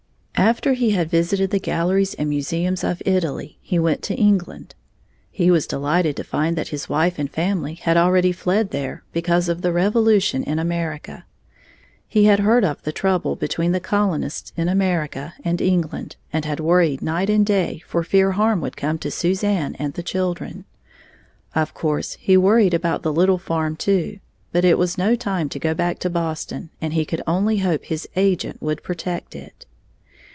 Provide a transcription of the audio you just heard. After he had visited the galleries and museums of Italy, he went to England. He was delighted to find that his wife and family had already fled there because of the Revolution in America. He had heard of the trouble between the Colonists in America and England and had worried night and day for fear harm would come to Suzanne and the children. Of course he worried about the "little farm" too, but it was no time to go back to Boston, and he could only hope his agent would protect it.